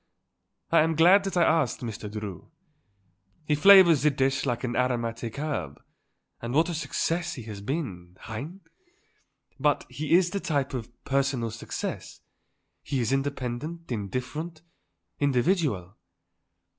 I am glad that I asked Mr. Drew. He flavours the dish like an aromatic herb; and what a success he has been; hein? But he is the type of personal success. He is independent, indifferent, individual."